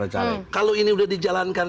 kalau ini sudah dijalankan